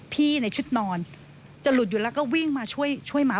ในชุดนอนจะหลุดอยู่แล้วก็วิ่งมาช่วยหมา